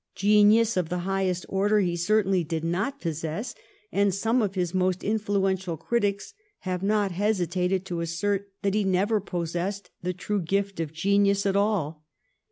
Genius of the highest order he certainly did not possess, and some of his most influential critics have not hesitated to assert that he never possessed the true gift of genius at all.